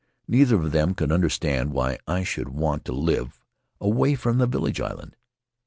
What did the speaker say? Neither of them could understand why I should want to live away from the village island.